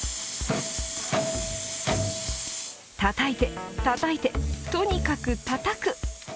たたいて、たたいてとにかくたたく。